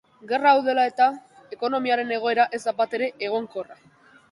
Gerra hau dela eta, ekonomiaren egoera ez da batere egonkorra.